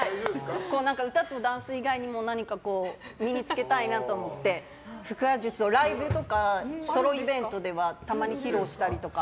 歌とダンス以外にも何か身に付けたいなと思って腹話術をライブとかソロイベントではたまに披露したりとか。